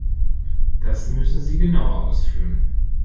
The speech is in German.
Das müssen Sie genauer ausführen.